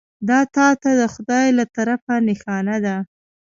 دا تا ته د خدای له طرفه نښانه ده .